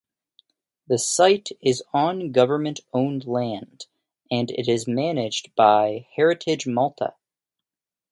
The site is on government-owned land, and it is managed by Heritage Malta.